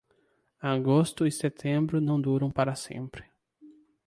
Agosto e setembro não duram para sempre.